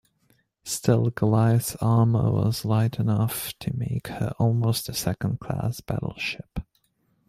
Still, "Goliath"s armour was light enough to make her almost a second-class battleship.